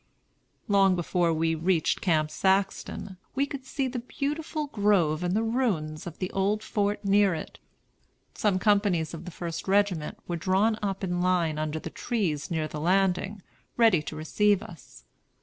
Long before we reached Camp Saxton, we could see the beautiful grove and the ruins of the old fort near it. Some companies of the First Regiment were drawn up in line under the trees near the landing, ready to receive us.